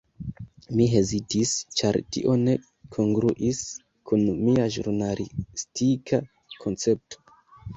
Mi hezitis, ĉar tio ne kongruis kun mia ĵurnalistika koncepto.